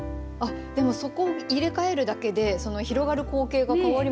でもそこを入れ替えるだけで広がる光景が変わりますね